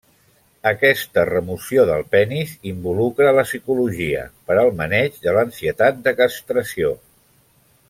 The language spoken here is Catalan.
Aquesta remoció del penis involucra la psicologia, per al maneig de l'ansietat de castració.